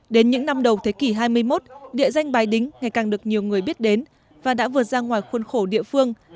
đến những năm đầu thế kỷ hai mươi một địa danh bài đính ngày càng được nhiều người biết đến và đã vượt ra ngoài khuôn khổ địa phương